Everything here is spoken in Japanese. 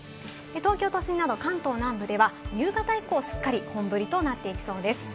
東京都心など関東南部では夕方以降、しっかり本降りとなっていきそうです。